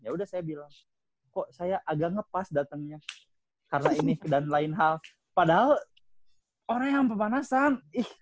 yaudah saya bilang kok saya agak ngepas datengnya karena ini dan lain hal padahal hoream pemanasan